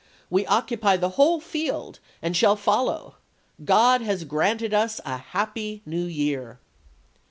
We occupy the whole field and shall follow. .. God has granted us a happy New Year."